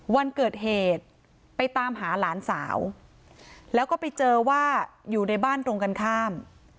วันเกิดเหตุไปตามหาหลานสาวแล้วก็ไปเจอว่าอยู่ในบ้านตรงกันข้าม